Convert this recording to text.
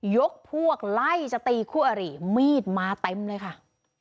ยกพวกไล่จะตีคู่อริมีดมาเต็มเลยค่ะ